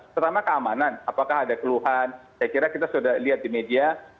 pertama keamanan apakah ada keluhan saya kira kita sudah lihat di media